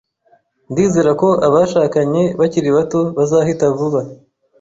Ndizera ko abashakanye bakiri bato bazahita vuba.